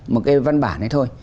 một cái văn bản này thôi